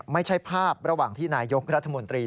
ไม่ใช่ภาพระหว่างที่นายกรัฐมนตรี